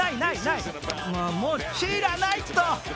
もう知らないっと。